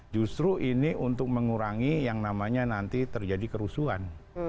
justru ini untuk mengurangi yang namanya nanti terjadi kerusuhan